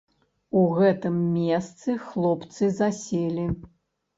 У гэтым месцы хлопцы заселі.